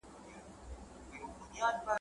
رپېدلی پر خیبر وي ړندې سترګي د اغیار کې ,